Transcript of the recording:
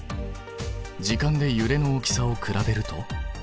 時間でゆれの大きさを比べると？